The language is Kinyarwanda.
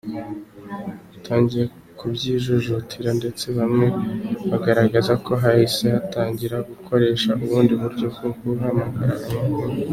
Batangiye kubyijujutira ndetse bamwe bagaragaje ko bahise batangira gukoresha ubundi buryo bwo guhanahana amakuru.